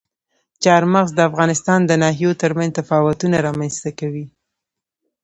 چار مغز د افغانستان د ناحیو ترمنځ تفاوتونه رامنځ ته کوي.